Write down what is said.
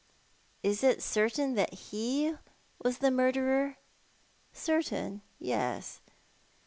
"Is it certain that ho was the murderer "" Certain? Y'es.